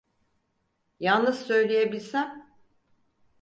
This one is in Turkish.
Yalnız söyleyebilsem.